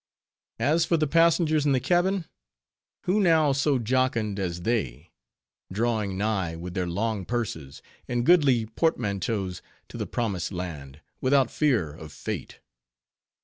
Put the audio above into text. As for the passengers in the cabin, who now so jocund as they? drawing nigh, with their long purses and goodly portmanteaus to the promised land, without fear of fate.